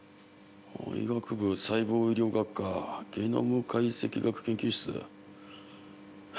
医学部細胞医療学科ゲノム解析学研究室。